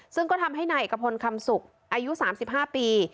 ซึ่งก็ทำให้นายเอกพลคำสุกอายุ๓๕ปี